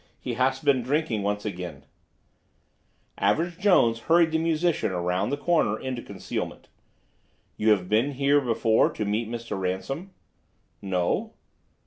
He hass been drinking again once." Average Jones hurried the musician around the corner into concealment. "You have been here before to meet Mr. Ransom?" "No."